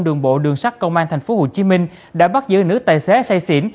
đường bộ đường sắt công an tp hcm đã bắt giữ nữ tài xế say xỉn